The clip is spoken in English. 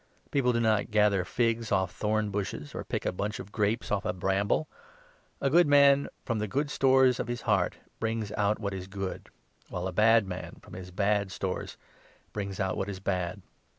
People do not gather figs off thorn bushes, nor pick a bunch of grapes off a bramble. A good 45 man, from the good stores of his heart, brings out what is good ; while a bad man, from his bad stores, brings out what is bad.